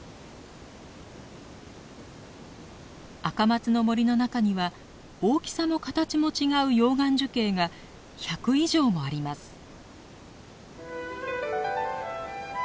アカマツの森の中には大きさも形も違う溶岩樹型が１００以上もあります。